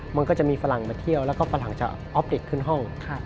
มันก็จะมีฝรั่งมาเที่ยวแล้วก็ฝรั่งจะออฟเด็กขึ้นห้อง